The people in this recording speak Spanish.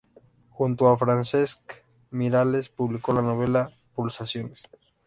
Junto a Francesc Miralles publicó la novela "Pulsaciones".